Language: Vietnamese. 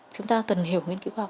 chúng ta cần hiểu nghiên cứu khoa học